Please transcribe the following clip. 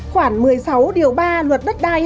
khoảng một mươi sáu điều ba luật đất đai